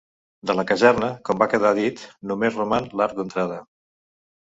De la caserna, com va quedar dit, només roman l'arc d'entrada.